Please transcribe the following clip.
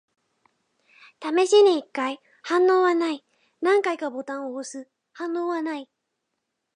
試しに一回。反応はない。何回かボタンを押す。反応はない。